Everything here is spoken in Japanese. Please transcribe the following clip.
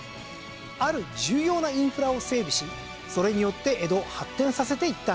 ある重要なインフラを整備しそれによって江戸を発展させていったんです。